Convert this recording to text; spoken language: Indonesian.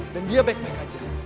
dan dia backpack aja